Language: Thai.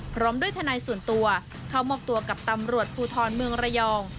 พร้อมด้วยทนายส่วนตัวเข้ามอบตัวกับตำรวจภูทรเมืองระยอง